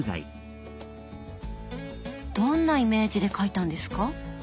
どんなイメージで描いたんですか？